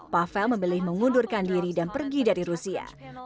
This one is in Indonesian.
pavel memilih mengundurkan diri dan pergi dari rusia